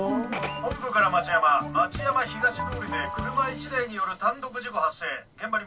本部から町山町山東通りで車１台による単独事故発生現場に向かえ。